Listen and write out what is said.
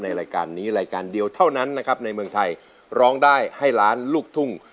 รายการนี้รายการเดียวเท่านั้นนะครับในเมืองไทยร้องได้ให้ล้านลูกทุ่ง